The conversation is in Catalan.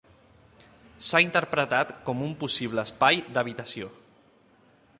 S'ha interpretat com un possible espai d'habitació.